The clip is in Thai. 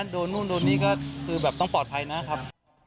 โดนนู่นโดนนี่ก็คือแบบต้องปลอดภัยนะครับ